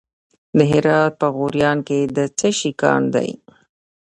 د هرات په غوریان کې د څه شي کان دی؟